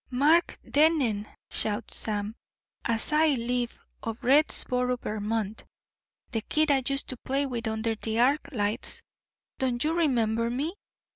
"'Mark Dennen,' shouts Sam, 'as I live. Of Readsboro, Vermont. The kid I used to play with under the arc lights don't you remember me?'